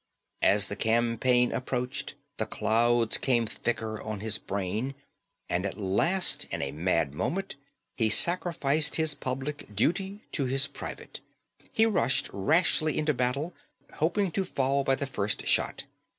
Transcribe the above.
As the campaign approached the clouds came thicker on his brain; and at last in a mad moment he sacrificed his public duty to his private. He rushed rashly into battle, hoping to fall by the first shot.